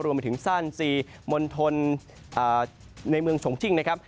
รวมไปถึงซ่านซีมณฑลในเมืองชงจิ้งนะครับ